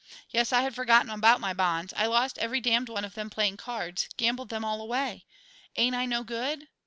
Yes, I had forgotten about my bonds. I lost every damned one of them playing cards gambled 'em all away. Ain't I no good?